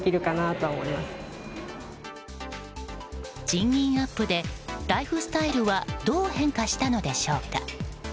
賃金アップでライフスタイルはどう変化したのでしょうか。